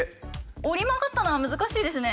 折り曲がったのは難しいですね。